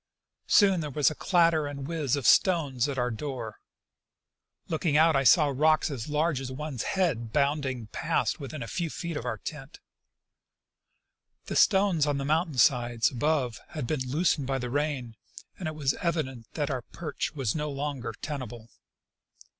Soon there was a clatter and whiz of stones at our door. Looking out I saw rocks as large as one's head bounding past within a few feet of our tent. The stones on the mountain side above had been loosened by the rain, and it was evident that our perch was no longer tenable.